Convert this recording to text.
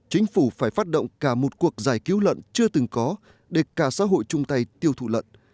chính phủ phải phát động cả một cuộc giải cứu lợn chưa từng có để cả xã hội chung tay tiêu thụ lợn